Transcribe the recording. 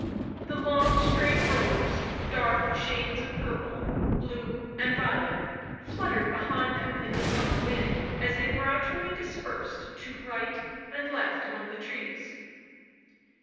The long straight robes, dark shades of purple, blue and violet, fluttered behind them in the summer wind as they gradually dispersed to right and left among the trees.